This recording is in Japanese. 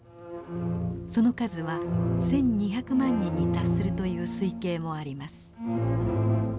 その数は１，２００万人に達するという推計もあります。